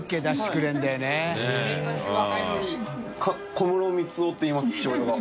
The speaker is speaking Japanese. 小室光男っていいます父親が。